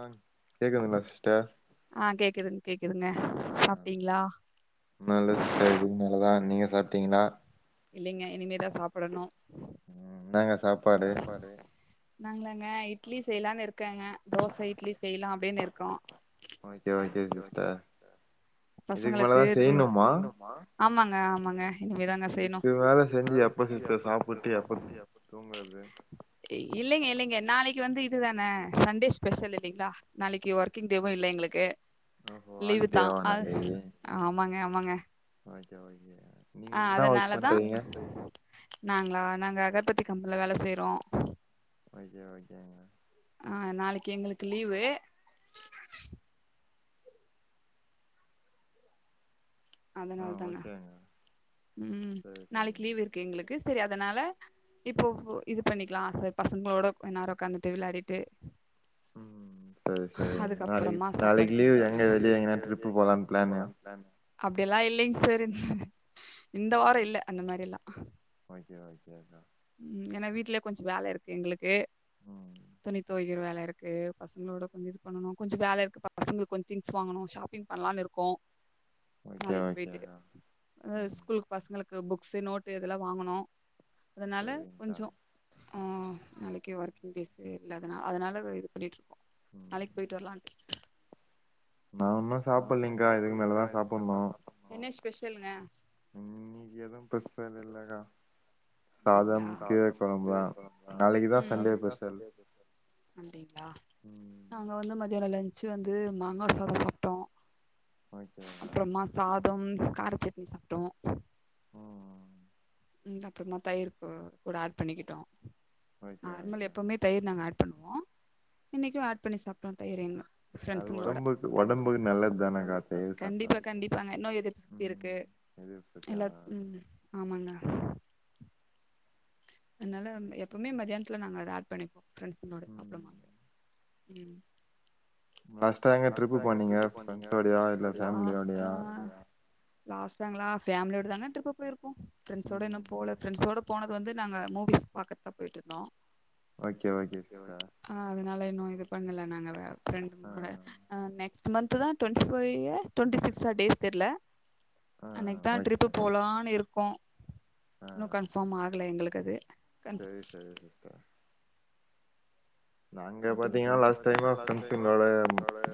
ஆ கேக்குதுங்ளா சிஸ்டர் ஆ கேக்குதுங் கேக்குதுங்க சாப்டீங்ளா இன்னு இல்ல சிஸ்டர் இதுகு மேலதா நீங்க சாப்ட்டீங்ளா இல்லீங்க இனிமேதா சாப்படணு அ சாப்பாடு நாங்ளாங்க இட்லி செய்லானு இருக்கங்க தோச இட்லி செய்லா அப்டின் இருக்கோ பசங்களுக்கு பொய் ஆமாங்க ஆமாங்க இனிமேதாங்க செய்ணு இல்லைங்க இல்லைங்க நாளை க்கி வந்து இது தான சண்டே ஸ்பெஷல் இல்லிங்ளா நாளைக்கு ஒர்க்கிங் டேவு இல்ல எங்ளுக்கு லீவுத்தா அ ஆமாங்க ஆமாங்க அ அதனாலதா நாங்ளா நாங்க அகர்பத்தி கம்புல வேல செய்றோ ஓகே ஓகேங்க ஆ நாளைக்கி எங்குளுக்கு லீவு அதனால் தாங்க ம் நாளைக்கி லீவ் இருக்கு எங்ளுக்கு செரி அதனால இப்போ ஃபு இது பண்ணிக்லா செர் பசங்ளோட கொஞ்நேரோ ஒக்காந்துட்டு விளாடிட்டு ம் ம் செரி செரிங் நாளைக்கி நாளைக்கி லீவு எங்க வெளிய எங்கினா ட்ரிப்பு போலான் பிளான்யா அப்டி எல்லா இல்லிங் சார் இந் இந்த வாரோ இல்ல அந்த மாரி எல்லா ஓகே ஓகேக்கா கொஞ்சோ வேல இருக்கு எங்குளுக்கு துணி தொவைக்கிற வேல இருக்கு பசங்ளோட கொஞ்ச இது பண்ணணு கொஞ்சோ வேல இருக்கு பசங்களுக் கொஞ் திங்ஸ் வாங்கணு ஷாப்பிங் பண்லான் இருக்கோ நாளைக்கி போயிட்டு அ ஸ்கூல்க் பசங்களுக்கு புக்ஸு நோட்டு இதெல்லா வாங்கணு அதனால கொஞ்சோ அ நாளைக்கு ஒர்க்கிங் டேஸு இல்லாதுனா அதனால இது பண்ணிட்ருக்கோ நாளைக் போயிட்டு வர்லான்ட்டு நா உன்னு சாப்பல்லிங்க்கா இதுக்கு மேலதா சாப்பன்ணு பெஷல்லுங்க இன்னிக்கு எதும் பெருசா எதுல்லக்கா சாதம் கீரை கொழம்புதா நாளைக்கி தா சண்டே பெஷல் ளா நாங்க வந்து மத்தியானோ லன்ச்சு வந்து மாங்கா சாதோ சாப்ட்டோ ஓகே கா டம் கார சட்னி சாப்டோ ம் ம் ம் ம் அப்பறமா தயிர் கூ கூட ஏட் பண்ணிக்கிட்டோ நார்மல் எப்பமே தயிர் நாங்க ஏட் பண்ணுவோ இன்னைக்கு ஆட் பண்ணி சாப்டோ தயிர் இங்க ஃப்ரெண்சுங்களோட கண்டிப்பா கண்டிப்பாங்க நோய் எதிர்பு சக்தி இருக்கு எல்லா ம் ஆமாங்க அனால எப்பவுமே மதியானத்துல நாங்க அத ஆட் பண்ணிப்போ ஃப்ரெண்ட்ஸுங்களோட சாப்பிடமோது ம் லாஸ்டா எங்க ட்ரிப்பு போனீங்க ஃப்ரெண்ட்ஸோடையா இல்ல ஃபேமிலியோடையா லாஸ்டாங்களா ஃபேமிலி ஓட தான ட்ரிப்பு போயிருபோ ஃப்ரெண்ட்ஸோட இன்னு போல ஃப்ரெண்டஸோட இது வந்து நாங்கா மூவீஸ் பாக்காத்தா போய்ட்ருந்தோ ஆ அதுனால இன்னு இது பண்ணல நாங்க வ ஃபிரெண்டுங்களோட நெக்ஸ்ட் மந்த் தா டுவெண்டி ஃபைவ்வா டுவெண்டி சிக்ஸா டே தெரில அன்னைக்கு தா ட்ரிப்பு போலான்னு இருக்கோ இன்னு கன்ஃபாம் ஆ கல எங்களுக்கு அது செரி செரி சிஸ்டர் நாங்க பாத்தீங்கன்னா லாஸ்ட் டைம்மா ஃப்ரெண்டஸுங்களோட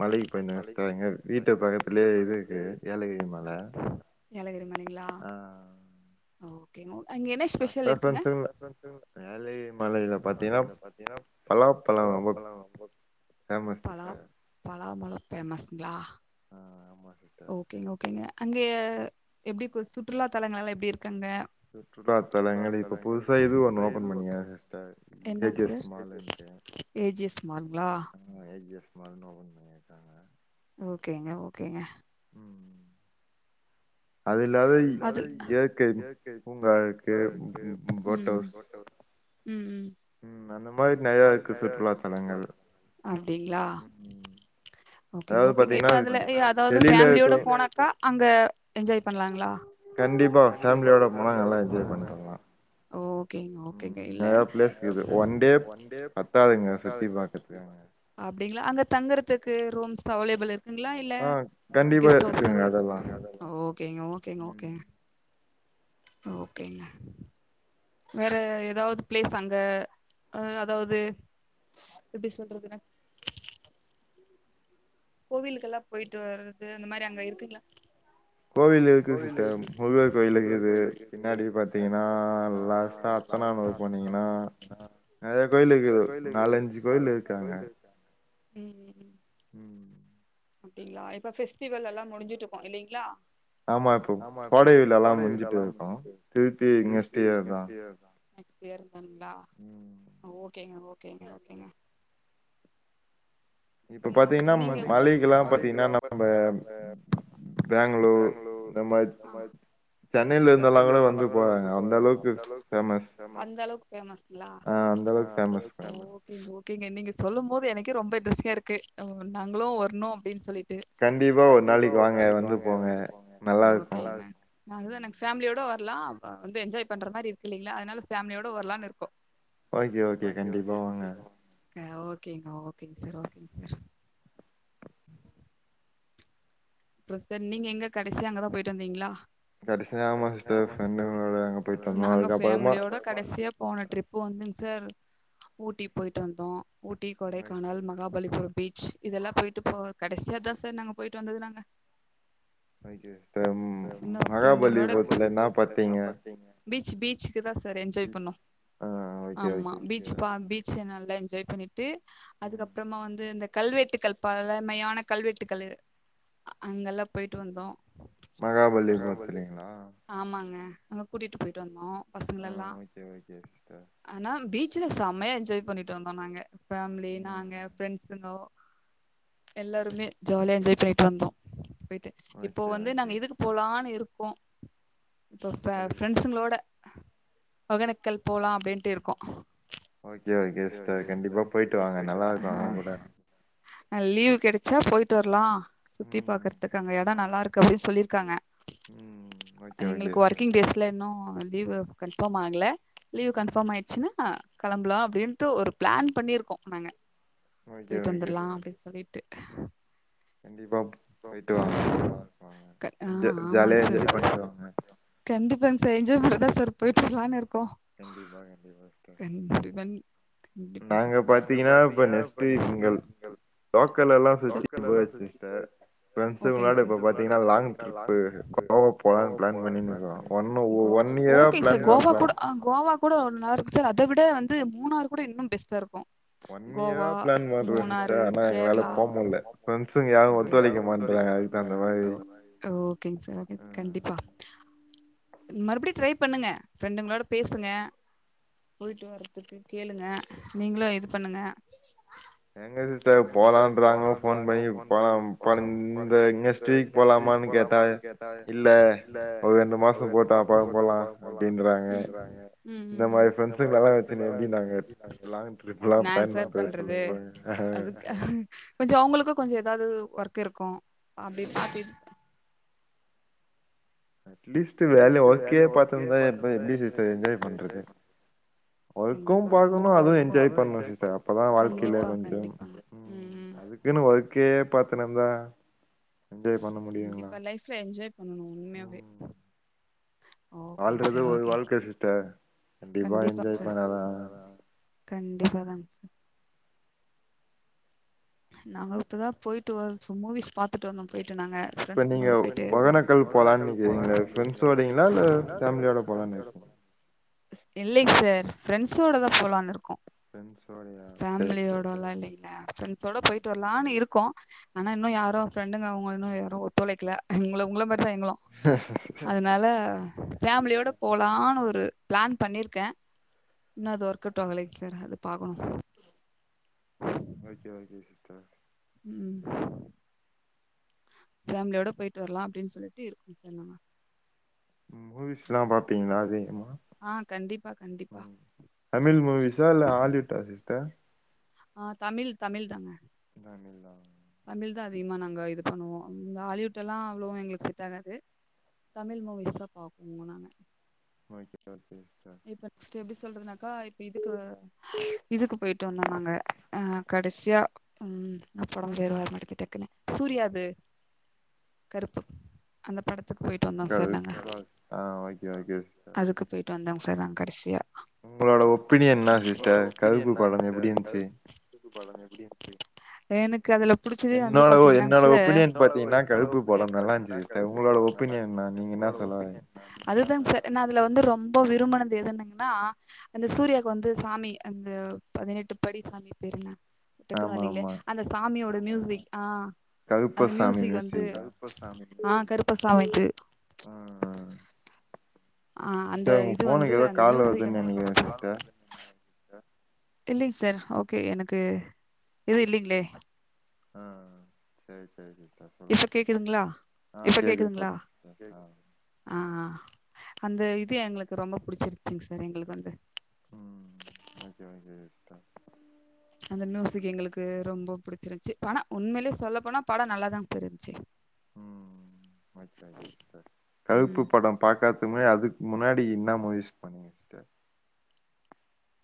மலைக்கு போயிருந்தோ சிஸ்டர் எங்க வீட்டு பக்கத்து லயே இருக்கு ஏலகிரி மல ஆ அங்க என்ன ஸ்பெஷல் இருக்குங்க பலாப்பழொ வந்து பழாபழொ ஃபேமஸ்ஸுங்களா ஓகே ஓகேங்க அங்க எப்டி கு சுற்றுலா தலங்கள்லா எப்டி இருக்கு அங்க சுற்றுலா தலங்கள் இப்போ புதுசா இது ஒண்ணு ஓபன் பண்ணிக்றாங்க சிஸ்டர் ஏ ஜி எஸ் மாலுன்டு ஏ ஜி எஸ் மாலுங்களா மாலுனு ஓபன் பண்ணி இருக்காங்க ஓகேங்க ஓகேங்க அது இல்லாத இயற்கை பூங்கா இருக்கு பு போட் ஹவுஸ் ம் அந்த மாரி நெறையா இருக்கு சுற்றுலா தலங்கள் அப்டிங்ளா ஓகேங்க ஓகேங்க இப்போ அதுல எ அதாவது ஃபேமிலியோட போனாக்கா அங்க என்ஜாய் பண்லாங்களா கண்டிப்பா ஃபேமிலியோட போனா நல்லா என்ஜாய் பண்டு வர்லா ஓ ஓகேங்க ஓகேங்க இல்ல அப்டிங்களா அங்க தங்கறதுக்கு ரூம்ஸ் அவைலபிள் இரு குங்க்ளா இல்ல கெஸ்ட் ஹவுசா ஓகேங்க ஓகேங்க ஓகேங்க ஓகேங்க வேற ஏதாவது பிளேஸ் அங்க ஆ அதாவது எப்டி சொல்றதுனு கோவிலுக்கெல்லா போயிட்டு வர்றது அந்த மாரி அங்க இருக்குங்களா கோவில் இருக்குது சிஸ்டர் முருகர் கோயில் இருக்குது பின்னாடி பாத்தீங்கன்னா லாஸ்ட்டா அப்ப நா [unintelligible] போனீங்கன்னா நெறைய கோயில் இருக்குது நாலஞ்சு கோயில் இருக்கு அங்க ம் ம் ம் ம் அப்டிங்களா இப்போ பெஸ்டிவல் எல்லா முடிஞ்சுட்டுக்கோ இல்லைங்களா ஆமா இப்ப கோடை விழா எல்லா முடிஞ்சுட்டு இருக்கோ திருப்பி நெக்ஸ்ட் இயர் தா நெக்ஸ்ட் இயர்தானுங்குளா ஆ ஓகேங்க ஓகேங்க ஓகேங்க இப்ப பாத்தீங்கன்னா மலைக்குல்லா பாத்தீங்கன்னா நம்ம பெங்களூர் இந்த மாத் சென்னையில இருந்தெல்லா கூட வந்து போறாங்க அந்த அளவுக்கு ஃபேம ஃபேமஸ்ஸுங்களா ஆ ஓகேங்க ஓகேங்க நீங்க சொல்லும்போது எனக்கே ரொம்ப அதசியா இரு கு ம் நாங்களு வர்ணு அப்டின் சொல்லி கண்டி கண்டிப்பா ஒரு நாளைக்கு வாங்க வந்து போங்க நல்லா எல்லாம் வந்து என்ஜாய் பண்ற மாரி இருக்கு இல்லிங்களா அதனால ஃபேமிலியோட வரலானு இருக்கோ ஓகே ஓகே கண்டிப்பா வாங்க ஓகேங்க ஓகேங்க சார் ஓகேங்க சார் அப்புறோ சார் நீங்க எங்க கடைசி அங்கதா போயிட்டு வந்தீங்களா நாங்க ஃபேமிலியோட கடைசியா போன ட்ரிப்பு வந்துங்க சார் ஊட்டி போயிட்டு வந்தோ ஊட்டி கொடைக்கானல் மகாபலிபுரம் பீச் இதெல்லாம் போயிட்டு இப்போ கடைசியா இத்தா சார் நாங்க போயிட்டு வந்தது நாங்க ஒகே சிஸ்டர் மகாபலிபுரத்துல என்ன பாத்தீங்க அப்டி தா சார் என்ஜாய் பண்ணோ ஆமா பீச் ப பீச் நல்லா என்ஜாய் பண்ணிட்டு ட்டு அதுக்கப்புறமா வந்து இந்த கல்வெட்டுக்கள் பழமையான கல்வெட்டுக்கள் அங்கெல்லா போயிட்டு வந்தோ மகாபலிபுரத்துலிங்களா அங்க கூட்டிட்டு போயிட்டு வந்தோ பசங்கள எல்லா ஆனா பீ பீச்சில செமைய என்ஜாய் பண்ணிட்டு வந்தோ நாங்க ஃபேமிலி நாங்க ஃபிரண்ட்ஸ்ங்கோ எல்லாருமே ஜாலியா என்ஜாய் பண்ணிட்டு வந்தோ போயிட்டு இப்போ வந்து நாங்க இதுக்கு போலான்னு இருக்கோ இப்ப ஃப் ஃப்ரண்ட்ஸுங்களோட ஒக்கேனக்கல் போலா அப்டின்ட்டு இருக்கோம் ஓகே ஓகே சிஸ்டர் கண்டிப்பா போய்டிட்டு வாங்க நல்லா இருக்கோ அங்க கூட ஆ லீவு கெடைச்சா போயிட்டு வரலா சுத்தி பாக்குறதுக்கு அங்க எடோ நல்லா இருக்கு அப்டின்னு சொல்லியிருக்காங்க எங்களுக்கு ஒர்க்கிங் டேஸ்ல இன்னு லீவ் கன்ஃபார்ம் ஆகல லீவு கன்ஃபார்ம் ஆயிடுச்சுன்னா கிளம்பலா அப்டின்ட்டு ஒரு பிளான் பண்ணி இருக்கோம் நாங்க போயிட்டு வந்துரலாம் அப்டின்னு சொல்லிட்டு க ஆ ஆமாங் சார் கண்டிப்பாங் சார் என்ஜாய் பண்ற தா சார் போயிட்டு வர்லான்னு இருக்கோ கண்டிபா இனி நாங்க பாத்தீங்கன்னா இப்ப நெக்ஸ்ட் வீக் கெளம் லோக்கல் எல்லா சுத்தி பாத் சிஸ்டர் ஃப்ரண்ட்ஸுங்களோட இப்ப பாத்தீங்கன்னா லாங் ட்ரிப்பு கோவா போலாம்னு பிளான் பண்ணினு இருக்குறோ ஒன்னு ஒர் ஓகே சார் கோவா கூட ஆ கோவா கூட நல்லா இருக்கு சார் அத விட வந்து மூணாறு கூட இன்னு பெஸ்டா இரு கோவா மூணாறு கேரளா இங்க யாரு ஒத்துழைக்க மாட்றாங்க அதான் ஒரு மாரி இருக் மறுபடியு ட்ரை பண்ணுங்க ஃப்ரெண்டுங்களோட பேசுங்க போயிட்டு வரதுக்கு கேளுங்க நீங்களு இது பண்ணுங்க எங்க சிஸ்டர் போலான்றாங்கோ ஃபோன் பண்ணி இப்பதா பாருங்க இந்த நெக்ஸ்ட் வீக் போலாமானு கேட்டா இல்ல ஒரு ரெண்டு மாசோ போட்டோ அப்றோ போலா அப்டின்றாங்க இந்த மாரி ஃப்ரெண்ட்ஸுங்க எல்லா வெச்சுனு எப்டி நாங்க லாங் ட்ரிப் எல்லா பிளான் பண்றது சொல்லுங்க பாருங் அது கொஞ்சோ அவுங்களுக்கும் கொஞ்சோ ஏதாவது ஒர்க் இருக்கோ அப்டி பாத்த அட்லீஸ்ட் வேல ஓர்க்கே பாத்துந்தா எப்ப எப்டி சிஸ்டர் என்ஜாய் பண்றது கண்டிப்பா கண்டிப்பா கண்டிப்பா கண்டிப்பா ம் ம் அதுக்குன்னு ஒர்க்கே பாத்துன்னு இருந்தா என்ஜாய் பண்ண முடியுங்களா ம் ஓகேங் சார் ஓகேங் சார் கண்டிப்பா சார் கண்டிப்பா தாங் சார் நாங்க இப்பதா போயிட்டு வா மூவிஸ் பாத்துட்டு வந்தோம் போயிட்டோ நாங்க ஃப்ரண்ட்ஸுங்களோடு போயிட்டு இல்லைங் சார் ஃப்ரெண்ட்ஸோட தா போலான்னு இருக்கோம் ஃபேமிலியோடலா இல்லைங்க ஃப்ரண்ட்ஸ் தொட போயிட்டு வர்லானு இருக்கு ஆனா இன்னு யாரு ஃப்ரண்டுங்க அவுங்க இன்னு யாரு ஒத்துழைக்கள உங்கள மாரி சயங்கலொ அதனால ஃபேமிலியோட போலான்னு ஒரு பிளான் பண்ணிருக்கே இன்னு அது ஒர்க் அவுட் ஆகலைங் சார் அது பாகணு ஓகே ஓகே சிஸ்டர் ம் ஃபேமிலியோட போயிட்டு வர்லா அப்டின்னு சொல்ட்டு இருக்கு சார் நாங்க மூவிஸ்ல்லாம் பாப்பீங்ளா அதிகமா ம் தமிழ் மூவிஸா இல்ல ஹாலிவுட்டா சிஸ்டர் ஆ தமிழ் தமிழ்தாங்க அப்டிங்ளா தமிழ்தா அதிகமா நாங்க இது பண்ணுவோ இந்த ஹாலிவுட் எல்லா அவ்ளோ எங்களுக்கு செட் ஆகாது தமிழ் மூவிஸ்தா பாப்போம் நாங்க ஓகே ஓகே சிஸ்டர் சொல்றதுனாக்கா இப்ப இதுக்கு இதுக்கு போயிட்டு வந்தோ நாங்க எ கடசியா ம் ம் அப் பேரு வேர வரமாட்டிகிது டக்குனு சூர்யாது கருப்பு அந்த படத் அதுக்கு போயிட்டு வந்தோன் சார் நாங்க அதுக்கு போயிட்டு வந்தோங் சார் நாங்க கடைசியா உங்களோட உங்களோட ஒப்பீனியன் என்னா சிஸ்டர் கருப்பு படம் எப்படி இருக்கு எனக்கு அதுல புடிச்சதே வந்து பாத்தீங்கன்னா சார் கருப்பு பத்தி என்னோட ஒப்பீனியன் பாத்தீங்கன்னா கருப்பு படோநல்லா இருக்கு கருப்பு அதுதாங் சார் என்னா அதுல வந்து ரொம்போ விரும்பனது எதுனுங்கன்னா அந்த சூர்யாக்கு வந்து சாமி அந்த பதினெட் ட்டு படி சாமி பேரு என்ன டக்குன்னு வர்லைங்ளே அந்த சாமியோட மியூசிக் ஆ அந்த மியுசிக் வந்து ஆ கருப்பசாமிக்கு உ ஆ அந்த இது வந்து அந்த மியூசிக் வந்து இல்லைங்க சார் ஓகே எனக்கு இது இல்லைங்ளே ஆ சேரி சேரி இப்ப கேக்குதுங்ளா இப்ப கேக்குதுங்களா ஆ அந்த இது எங்களுக்கு ரொம்ப புடிச்சிருஞ்சுங் சார் எங்களுக்கு வந்து ம் ஓகே ஓகே சிஸ்டர் அந்த மியூசிக் எங்களுக்கு ரொம்ப புடிச்சிருந்ச்சு பணோ உண்மையிலே சொல்ல போனா படோ நல்லாதான் சார் இருந்ச்சு ம் கருப்பு படோ பாக்கா அதுக்கு முன்னாடி அதுக்கு முன்னாடி இன்னா மூவிஸ் போனீங்க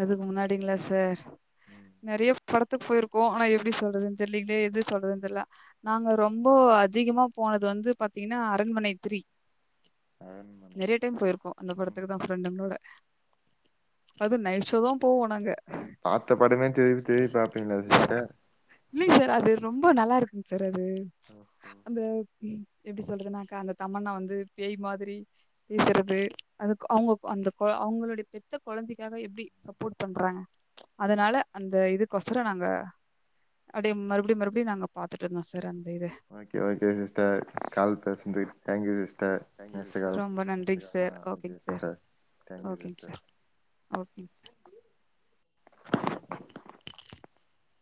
அதுக்கு முன்னாடிங்ளா சார் நெறய படத்துக்கு போயிருக்கோ ஆனா எப்டி சொல்றதுன்னு தெரிலிங்ளே எது சொல்றதுன்னு தெரில நாங்க ரொம்போ அதிகமா போ அது வந்து பாத்தீங்கன்னா அரண்மனை த்ரி. நெறயா டைம் போயிருக்கோ அந்த படத்துக்குதா ஃப்ரெண்டுங்களோட அது நைட்ஷோதா போவோ நாங்க பாத்த படமே தே தேடி பாப்பீங்ளா சிஸ்டர் இல்லைங் சார் அது ரொம்ப நல்லா இருக்குங் சார் அது அந்த எப்டி சொல்றதுன்னாக்கா அந்த தமண்ணா வந்து பேய் மாதிரி பேசறது அதுக்கு அவுங்க அந் த அவுங்களுடைய பெத்த கொழந்தைக்காக எப்டி சப்போர்ட் பண்றாங்க அதனால அந்த இதுக்கொசொர நாங்க அப்டியே மறுபடி மறுபடியு நாங்க பாத்துட்டு இருந்தோ சார் அந் ஓகே ஓகே சிஸ்டர் கால் பேசினது thank you sister next call ஆ okay sister thank you sister. ஓகேங் சார் [inaudible]